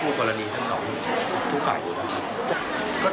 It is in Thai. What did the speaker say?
คู่กรณีทั้งสองทุกฝ่ายนะครับ